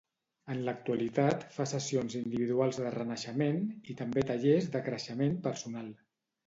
En l'actualitat fa sessions individuals de renaixement i també tallers de creixement personal.